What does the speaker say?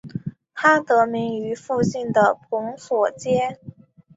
它得名于附近的蓬索街。